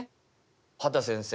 畑先生